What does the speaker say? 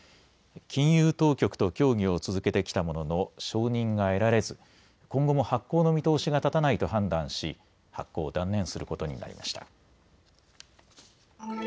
金融当局と協議を続けてきたものの承認が得られず今後も発行の見通しが立たないと判断し発行を断念することになりました。